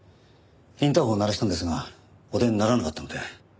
インターホンを鳴らしたんですがお出にならなかったので。